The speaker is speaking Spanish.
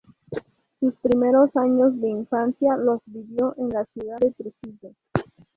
Sus primeros años de infancia los vivió en la ciudad de Trujillo.